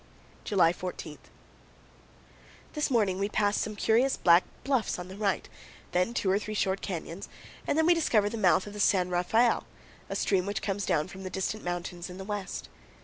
July 14. This morning we pass some curious black bluffs on the right, then two or three short canyons, and then we discover the mouth of the San Rafael, a stream which comes down from the distant mountains in the west.